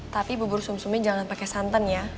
tapi bubur sum sumnya jangan pakai santan ya